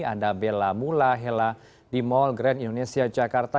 ada bella mula hela dimol grand indonesia jakarta